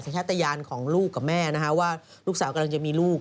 ชาตยานของลูกกับแม่นะคะว่าลูกสาวกำลังจะมีลูก